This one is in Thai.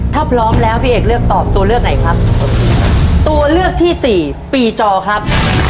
ถ้าพร้อมแล้วพี่เอกเลือกตอบตัวเลือกไหนครับตัวเลือกที่สี่ปีจอครับ